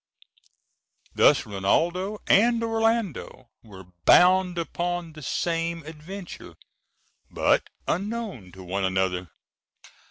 Thus both Rinaldo and Orlando were bound upon the same adventure, but unknown to one another.